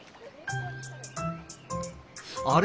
あれ？